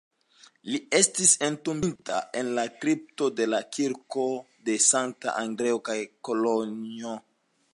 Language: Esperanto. Li estis entombigita en la kripto dela kirko de Sankta Andreo en Kolonjo.